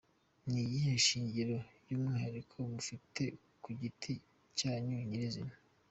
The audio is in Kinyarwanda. Ni iyihe nshingano y’umwihariko mufite ku giti cyanyu nyirizina?